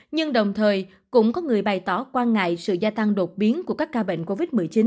nhưng đồng thời cũng có người bày tỏ quan ngại sự gia tăng đột biến của các ca bệnh covid một mươi chín